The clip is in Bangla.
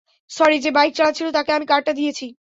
স্যরি যে বাইক চালাচ্ছিল তাকে আমি কার্ডটা দিয়েছি।